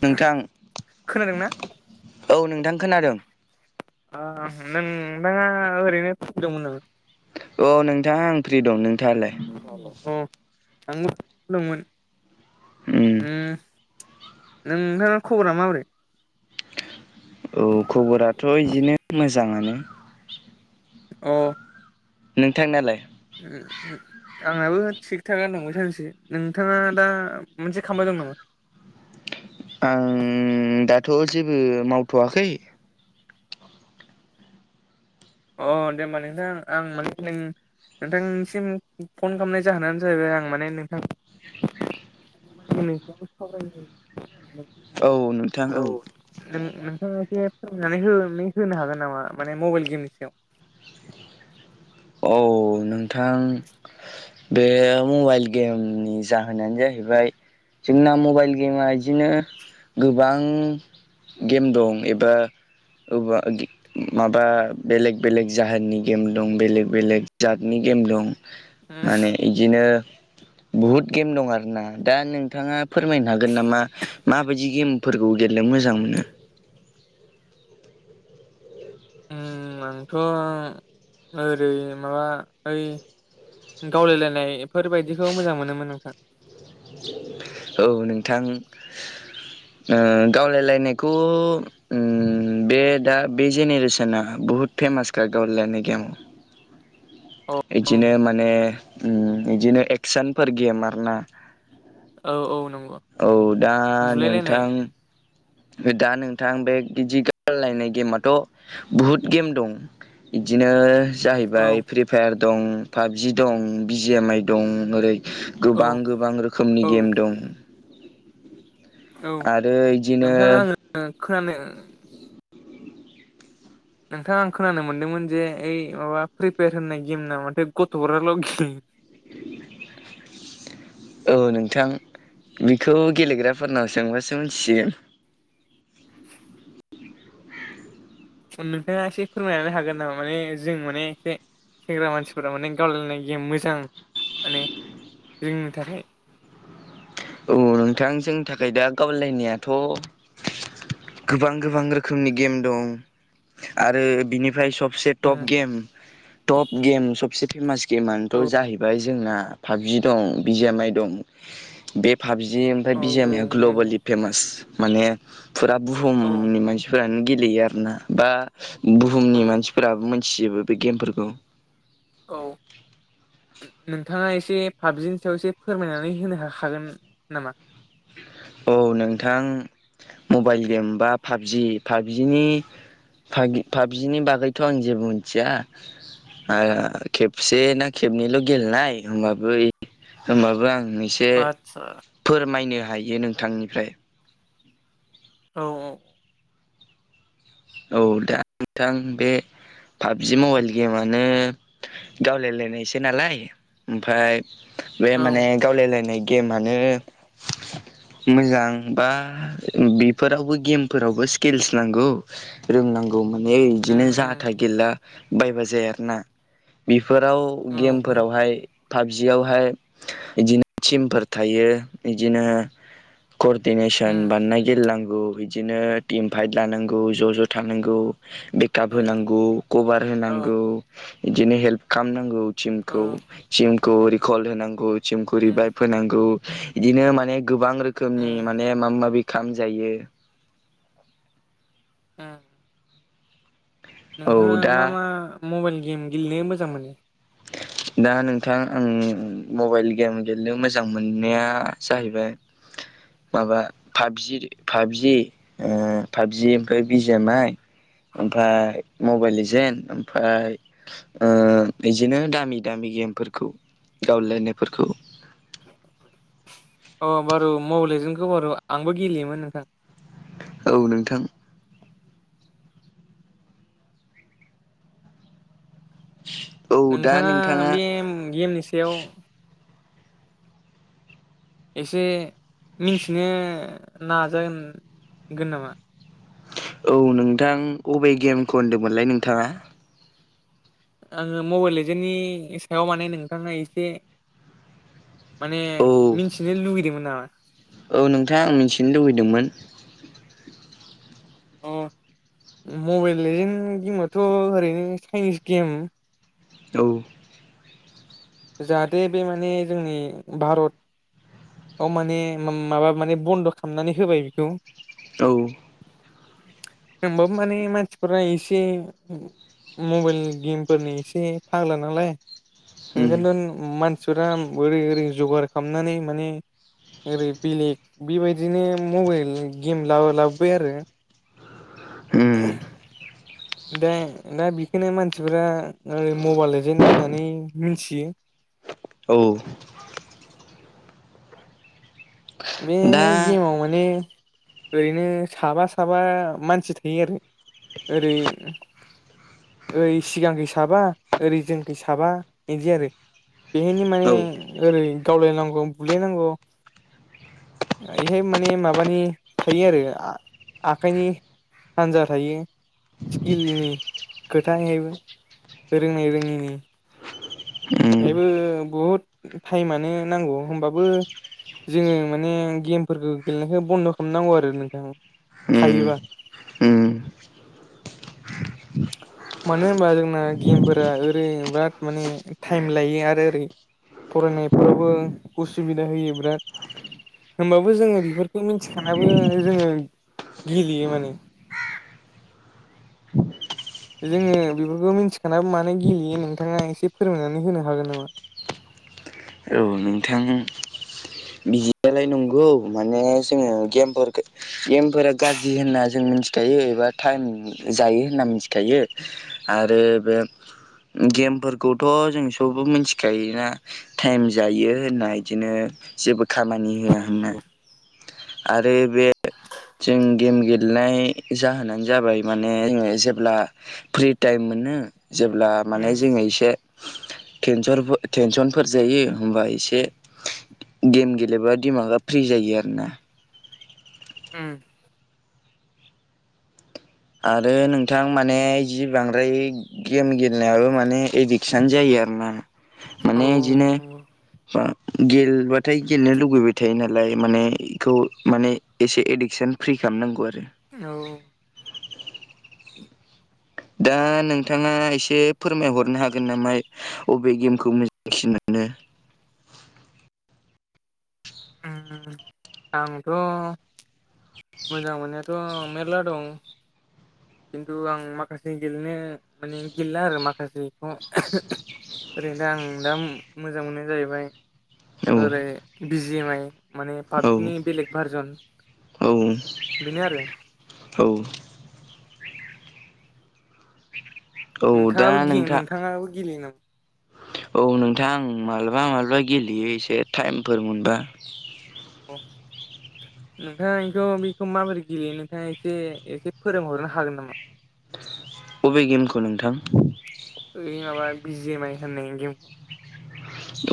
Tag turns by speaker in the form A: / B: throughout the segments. A: नोंथां
B: खोनादोंना
A: औ नोंथां खोनादों।
B: नोंथाङा ओरैनो फ्रि दंमोन नामा?
A: अ नोंथां आं फ्रि दं नोंथाङालाय?
B: अ आंबो फ्रि दंमोन उम नोंथाङा खबरा माबोरै?
A: औ खबराथ' इदिनो मोजाङानो
B: अ
A: नोंथांनालाय?
B: [unintelligible] आंनाबो थिग थाकानो दं बे साननैसो नोंथाङा दा मोनसे खामबाय दं नामा?
A: आं दाथ' जेबो मावथ'वाखै।
B: अ दे होमबा नोंथां आं माने नों नोंथांसिम फन खालामनाय जाहोनानो जाहैबाय आं माने नोंथां [unintelligible] औ उम नोंथाङा एसे
A: औ नोंथां औ
B: फोरमायनानै होन-होनो हागोन नामा माने मबाइल गेमनि सायाव?
A: औ नोंथां बे मबाइल गेमनि जाहोनानो जाहैबाय जोंना मबाइल गेमा इदिनो गोबां गेम दं एबा ओबा माबा बेलेग बेलेग जाहोननि गेम दं बेलेग बेलेग जातनि गेम दं माने इदिनो बहुत गेम दं आरो ना दा नोंथाङा फोरमायनो हागोन नामा माबायदि गेमफोरखौ गेलेनो मोजां मोनो
B: उम आंथ' ओरै माबा ओइ गावलायलायनाय फोरफोरबायदिखौ मोजां मोनोमोन नोंथां।
A: औ नोंथां गावलायलायनायखौ बे दा बे जेनेरेसना बुहुत फेमासखा गावलायनाय गेमाव
B: औ
A: इदिनो माने इदिनो एक्सनफोर गेम आरोना
B: औ औ नंगौ।
A: औ दा
B: बुलायलायनाय
A: नोंथां ओमफाय दा नोंथां बे इदि गालायनाय गेमाथ' बुहुत गेम दं। बिदिनो
B: औ
A: जाहैबाय फ्रि फायार दं, पाबजि दं, बिजि एम आइ दं ओरै
B: औ
A: गोबां गोबां रोखोमनि
B: औ
A: गेम दं।
B: औ
A: आरो इदिनो
B: नोंथाङा आङो खोनानो नोंथां आं खोनानो मोनदोंमोन जे ओइ माबा फ्रि फायार होननाय गेम ना माथाय गथ'फोराल' गेलेयो।
A: औ नोंथां बेखौ गेलेग्राफोरनाव सोंबासो मिथिसिगोन।
B: नोंथाङा एसे फोरमायनानै हागोन नामा माने जों माने एसे सेंग्रा मानसिफोरा माने गावलायनाय गेम मोजां माने जोंनि थाखाय
A: औ नोंथां जोंनि थाखाय दा गावलायनायाथ' गोबां गोबां रोखोमनि गेम दं आरो बिनिफ्राय सब से
B: औ
A: टप गेम टप गेम सबसे फेमास
B: औ
A: गेमानोथ' जाहैबाय जोंना पाबजि दं, बि जे एम आइ दं। बे पाबजि ओमफ्राय
B: औ
A: बिजेएमया
B: नंगौ
A: ग्लबेलि फेमास माने फुरा
B: औ
A: बुहुमनि मानसि फोरानो गेलेयो आरोना बा
B: औ
A: बुहुमनि मानसिफोराबो मोनथिजोबो बे गेमफोरखौ।
B: औ। नोंथाङा एसे पाबजिनि सायाव एसे फोरमायनानै होनो हाखागोन नामा?
A: औ नोंथां मबाइल गेम बा पाबजि। पाबजिनि पाबजिनि बागैथ' आं जेबो मिथिया। खेबसे ना खेबनैल' गेलेनाय होमबाबो होमबाबो आं एसे
B: आदसा।
A: फोरमायनो हायो नोंथांनिफ्राय।
B: औ औ।
A: औ दा नोंथां बे पाबजि मबाइल गेमानो गावलायलायनायसै नालाय। ओमफाय बे
B: औ
A: माने गावलायलायनाय गेमानो मोजां बा बेफोरावबो गेमफोरावबो स्किल्स नांगौ। रोंनांगौ माने
B: उम
A: बिदिनो जाथा गेलला बायबा जाया आरो ना। बेफोराव
B: औ उम
A: गेमफोरावहाय पाबजियावहाय इदिनो थिमफोर थायो। इदिनो कडिनेसन
B: उम
A: बानायनाय गेलेनांगौ। बिदिनो टिम फाइद लानां गौ, ज' ज' थानांगौ बेकआप
B: उम
A: होनांगौ। कभार
B: औ
A: होनांगौ। इदिनो हेल्प खामनांगौ टिमखौ। टिमखौ रिकल होनांगौ, टिमखौ
B: उम
A: रिभाइभ होनांगौ, इदिनो माने गोबां रो रोखोमनि
B: उम
A: माने माबा माबि खाम जायो।
B: ओं
A: औ
B: नोंथाङा
A: दा
B: मा मा मबाइल गेम गेलेनो मोजां मोनो?
A: दा नोंथां आं मबाइल गेम गेलेनो मोजां मोननाया जाहैबाय माबा पाबजि पाबजि पाबजि ओमफाय बि जे एम आइ ओमफाय मबेल लिजेन ओमफाय बिदिनो दामि दामि गेमफोरखौ गावलायनायफोरखौ।
B: अ बारु मबेलजोंखौ बारु आंबो गेलेयोमोन नोंथां।
A: औ नोंथां। [inaudible]
B: नोंथाङा बे गेमनि सायाव एसे मिन्थिनो नाजागोन नामा?
A: औ नोंथां अबे गेमखौ होनदोंमोनलाय नोंथाङा?
B: आङो मबेल लेजेन्नि सायाव माने नोंथाङा एसे माने
A: औ
B: मिन्थिनो लुगैदोंमोन नामा?
A: औ नोंथाङा आं मिथिनो लुबैदोंमोन
B: अ मबाइल लेजेन गेमआथ' ओरैनो चाइनिस गेम
A: औ
B: जाहाथे बे माने जोंनि भारत औ माने माबा माने बन्द' खालामनानै होबाय बेखौ
A: औ
B: होमबाबो मानि मसिफोरा इसे मबाइल गेमफोरनि एसे फाग्ला नालाय
A: उम
B: ओंखायनोथ' मानसिफोरा ओरै ओरै जगार खालामनानै माने ओरै बेलेग बेबायदिनो मबाइल गेम लाबो लाबोबाय आरो
A: उम
B: [inaudible] दा दा बेखौनो मानसिफोरा ओरै मबाइल एजेन होननानै मिथियो
A: औ दा
B: बेहाय गेमाव माने ओरैनो साबा साबा मानसि थायो आरो ओरै ओरै सिगांखै साबा ओरै जोंखै साबा इदि आरो बेहायनो माने
A: औ
B: ओरै गावलायनांगौ बुलायनांगौ बेहाय माने माबानि थायो आरो आखाइनि हान्जा थायो स्किलनि खोथा थायोबो रोंनाय रोङैनि
A: उम
B: बेहायबो बहुद टाइमानो नांगौ होमबाबो जोङो माने गेमफोरखौ गेलेनायखौ बन्द' खालामनांगौ आरो नोंथां
A: उम
B: हायोबा
A: उम
B: मानो होनबा जोंना गेमफोरा ओरै बिराद माने टाइम लायो आरो ओरै फरायनायफोरावबो उसुबिदा होयो बिराद होमबाबो जोङो बेफोरखौ मिथिखानाबो जोङो गेलेयो माने जोङो बेफोरखौ मिथिखानाबो मानो गेलेयो नोंथाङा एसे फोरमायनानै होनो हागोन नामा
A: औ नोंथां बिदियालाय नंगौ माने जों गेमफोरखो गेमफोरा गाज्रि होनना जों मिथिखायो एबा टाइम जायो होनना मिथिखायो आरो बे गेमफोरखौथ' जों सबबो मिथिखायो ना टाइम जायो होनना बिदिनो जेबो खामानि होआ होनना आरो बे जों गेम गेलेनाय जाहोनानो जाबाय माने जों जेब्ला फ्रि टाइम मोनो जेब्ला माने
B: उम
A: जोङो एसे टेनस टेनसनफोर जायो होमबा एसे गेम गेलेबा दिमागा फ्रि जायो आरो ना
B: उम
A: आरो नोंथां माने जि बांद्राय गेम गेलेनायाबो माने एडिकसन जायो आरोना
B: औ
A: माने इदिनो
B: नंगौ औ
A: बा गेलबथाय गेलेनो लुुबैबाय थायो नालाय माने इखौ माने एसे एडिकसन फ्रि खालामनांगौ आरो
B: औ
A: दा नोंथाङा एसे फोरमायहरनो हागोन नामा? अबे गेमखौ मोजांसिन मोनो
B: उम आंथ' मोजां मोननायाथ' मेरला दं। खिन्थु आं माखासे गेलेनो माने गेलेला आरो माखासेखौ ओरैनो दा आं दा मोजां मोननाया जाहैबाय
A: औ
B: ओरै बिजि एम आइ माने पाबजिनि
A: औ
B: बेलेग भारजन बेनो आरो
A: औ औ दा
B: नोंथाङाबो
A: नोंथां
B: नोंथाङाबो गेलेयोनामा?
A: औ नोंथां आं मालाबा मालाबा गेलेयो एसे टाइमफोर मोनबा
B: अ नोंथाङा बेखौ बेखौ माबोरै गेलेयो नोंथाङा एसे एसे फोरोंहरनो हागोन नामा?
A: बबे गेमखौ नोंथां
B: ओइ माबा बिजि एम आइ होननाय गेमखौ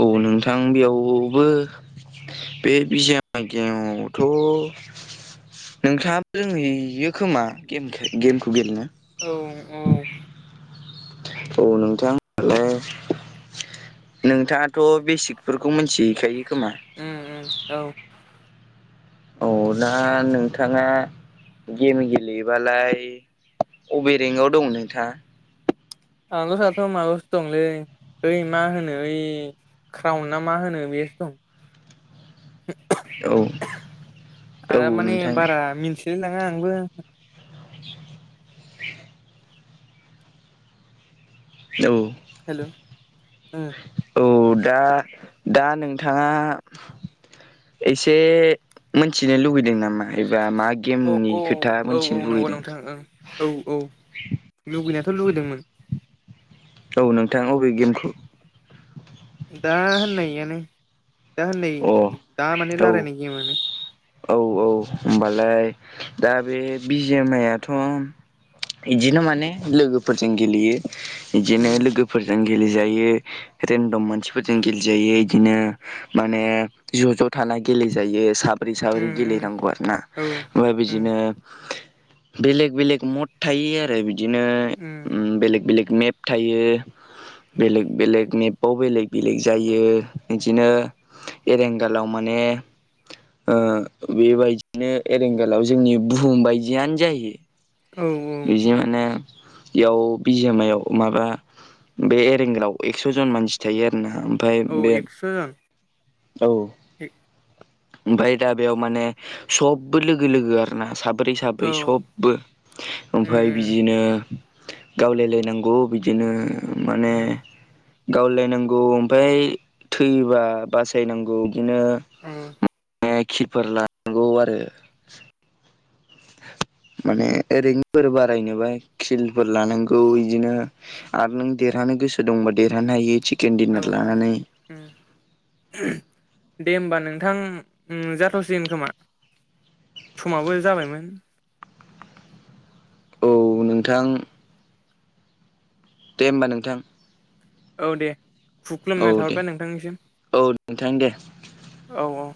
A: औ नोंथां बेयावबो बे बिजि एम आर गेमावबोथ' नोंथाङाबो जोंनि खोमा गेमखौ गेलेनो
B: औ औ
A: औ नोंथां ओ नोंथाङाथ' बेसिकफोरखौ मिथि हैखायो खोमा
B: उम उम औ
A: औ दा नोंथाङा गेम गेलेयोबालाय अबेरेंक आव दं नोंथाङा
B: आगसआथ' मागस दंलै ओइ मा होनो ओइ क्राउन ना मा होनो बेआवसो दं
A: औ औ
B: आं माने
A: नोंथां
B: बारा मिन्थिलाय नङा आंबो
A: [inaudible] औ
B: हेल' ओ
A: औ दा दा नोंथाङा एसे मोनथिनो लुगैदों नामा एबा मा गेमनि खोथा मोनथिनो लुगैदों।
B: ओ औ औ लुबैनायाथ' लुगैदोंमोन।
A: औ नोंथांङा अबे गेमखौ
B: दा होननाययानो दा होननाय
A: अ
B: दा माने
A: औ
B: रायलायनाय गेमानो
A: औ औ होनोमबालाय दा बे बिजामाइआथ' बिदिनो माने लोगोफोरजों गेलेयो। बिदिनो
B: उम
A: लोगोफोरजों गेलेजायो रेन्डम मानसिफोरजों गेलेजायो बिदिनो माने ज' ज' थाना गेलेेजायो साब्रै साब्रै
B: उम उम
A: गेलेनांगौ आरोना
B: औ
A: ओमफ्राय
B: उम
A: बिदिनो बेलेग बेलेग मद थायो आरो बिदिनो
B: उम
A: ओ बेलेक बेलेग मेप थायो। बेलेग बेलेग मेपाव बेलेग बेलेग जायो बिदिनो एरेंगालाव माने ओ बेबायदिनो एरेंगालाव जोंनि बुहुम बायदियनो जायो।
B: औ औ
A: बिदि माने बेयाव बिजामायाव माबा बे एरेंगायाव एक्स' जन मानसि थायो आरो ना
B: औ एक्स' जन
A: औ
B: [inaudible]
A: ओमफ्राय दा बेयाव माने सबबो लोगो लोगो आ ना साब्रै साब्रै
B: औ
A: सबबो
B: उम
A: ओमफ्राय
B: उम
A: बिदिनो गावलायलायनांगौ बिदिनो माने
B: उम
A: गावलायनांगौ ओमफ्राय थैयोबा बासायनांगौ बिदिनो
B: औ
A: नायखिफोर लानांगौ आरो माने ओरैफोर बारायनोबा खिलफोर लानांगौ बिदिनो आरो नों देरहानो गोसो दंबा देरहानो हायो चिकेन
B: औ
A: दिडिनार
B: औ
A: लानानै।
B: दे होमबा उ नोंथां जाथ'सिगोन खोमा समाबो जाबायमोन।
A: औ नोंथां। दे होमबा नोंथां।
B: औ दे
A: औ
B: खुखुलुमनाय
A: दे
B: थाहरबाय नोंथांनिसिम
A: औ नोंथां दे।
B: औ औ।